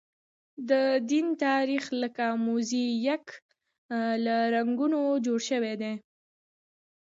د دین تاریخ لکه موزاییک له رنګونو جوړ شوی دی.